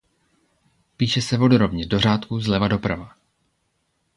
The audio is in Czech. Píše se vodorovně do řádků zleva doprava.